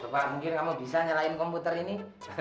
coba anjir kamu bisa nyalain komputer ini